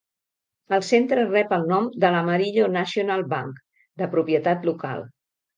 El centre rep el nom de l'Amarillo National Bank, de propietat local.